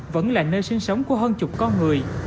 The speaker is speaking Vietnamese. vẫn là nơi sinh sống của hơn chục con người